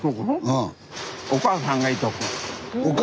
うん。